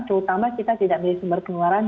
terutama kita tidak beli sumber penularan